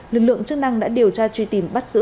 lực lượng chức năng đã điều tra truy tìm bắt giữ